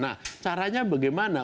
nah caranya bagaimana